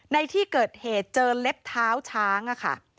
ในที่เกิดเหตุเจอเล็บเท้าช้างค่ะ